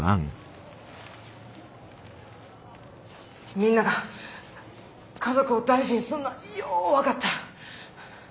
みんなが家族を大事にすんのはよう分かった。